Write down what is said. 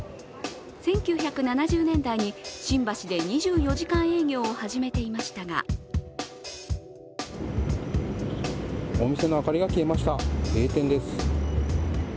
１９７０年代に新橋で２４時間営業を始めていましたがお店の明かりが消えました、閉店です。